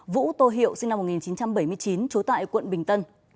vũ tô hiệu sinh năm một nghìn chín trăm bảy mươi chín trú tại quận bình tân